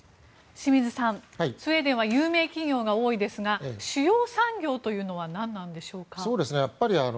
清水さん、スウェーデンは有名企業が多いですが主要産業というのは何なんでしょうか。